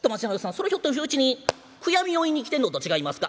それひょっとしてうちに悔やみを言いに来てんのと違いますか」。